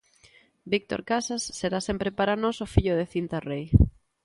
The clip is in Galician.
Víctor Casas será sempre para nós o fillo de Cinta Rei.